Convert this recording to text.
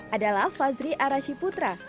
adalah fazri arashiputra